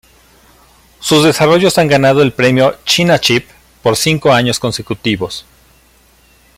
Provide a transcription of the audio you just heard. Sus desarrollos han ganado el premio "China chip" por cinco años consecutivos.